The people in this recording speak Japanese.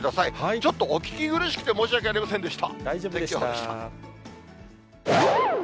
ちょっとお聞き苦しくて申し訳ありませんでした。